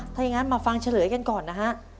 ถ้าอย่างนั้นมาฟังเฉลยกันก่อนนะฮะ